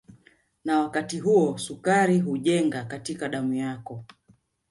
Na wakati huo sukari hujenga katika damu yako